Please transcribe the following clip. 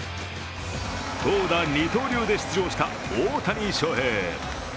投打二刀流で出場した大谷翔平。